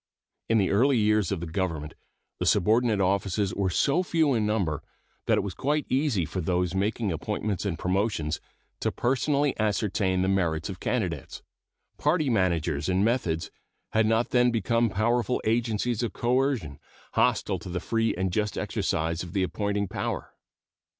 In the earlier years of the Government the subordinate offices were so few in number that it was quite easy for those making appointments and promotions to personally ascertain the merits of candidates. Party managers and methods had not then become powerful agencies of coercion, hostile to the free and just exercise of the appointing power.